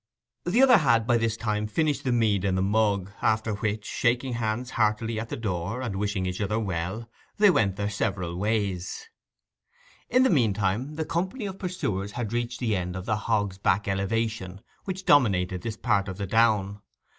The other had by this time finished the mead in the mug, after which, shaking hands heartily at the door, and wishing each other well, they went their several ways. In the meantime the company of pursuers had reached the end of the hog's back elevation which dominated this part of the down.